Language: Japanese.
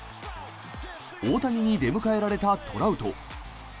大谷に出迎えられたトラウト。